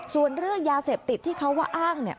ส่วนเรื่องยาเสพติดที่เขาว่าอ้างเนี่ย